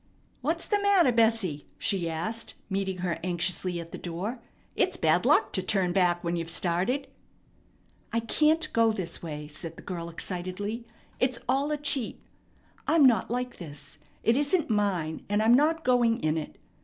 "What's the matter, Bessie?" she asked, meeting her anxiously at the door. "It's bad luck to turn back when you've started." "I can't go this way," said the girl excitedly. "It's all a cheat. I'm not like this. It isn't mine, and I'm not going in it.